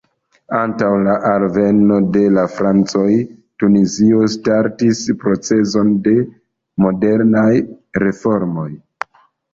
Antaŭ la alveno de la francoj, Tunizio startis procezon de modernaj reformoj.